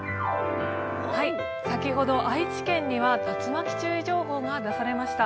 先ほど愛知県には竜巻注意情報が出されました。